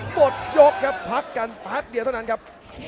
มดยกครับพักเดียวเท่านั้นครับ